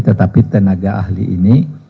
tetapi tenaga ahli ini